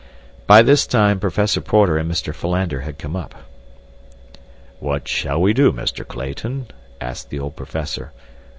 By this time Professor Porter and Mr. Philander had come up. "What shall we do, Mr. Clayton?" asked the old professor.